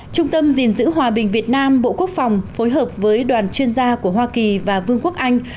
trung tâm gìn giữ hòa bình việt nam bộ quốc phòng phối hợp với đoàn chuyên gia của hoa kỳ và vương quốc anh